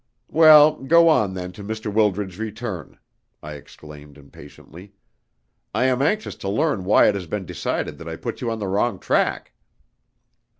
"Well, go on then to Mr. Wildred's return," I exclaimed impatiently. "I am anxious to learn why it has been decided that I put you on the wrong track."